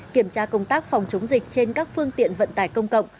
kiểm tra công tác phòng chống dịch trên các phương tiện vận tải công cộng